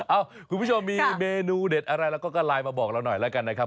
เอ้าคุณผู้ชมมีเมนูเด็ดอะไรแล้วก็ก็ไลน์มาบอกเราหน่อยละกันนะครับ